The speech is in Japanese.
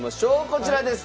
こちらです。